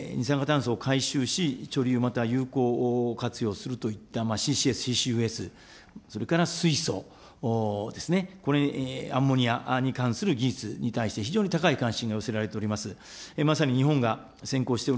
そうした中で、二酸化炭素を徴収し、貯留、または有効活用を支援するといった、それから水素ですね、これ、アンモニアに関する技術に対して非常に高い関心が寄せられております。